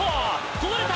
こぼれた！